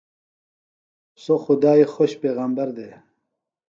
سوۡ خدائی خوۡش پیغمبر دےۡ۔